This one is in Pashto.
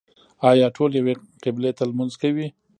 آیا ټول یوې قبلې ته لمونځ کوي؟